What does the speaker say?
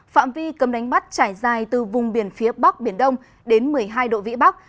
phạm vi cấm đánh bắt trải dài từ vùng biển phía bắc biển đông đến một mươi hai độ vĩ bắc